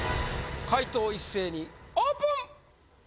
解答一斉にオープン！